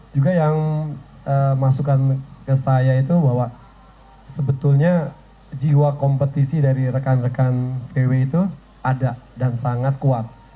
juga yang masukan ke saya itu bahwa sebetulnya jiwa kompetisi dari rekan rekan vw itu ada dan sangat kuat